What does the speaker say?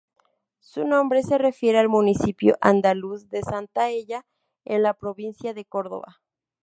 Su nombre se refiere al municipio andaluz de Santaella, en la provincia de Córdoba.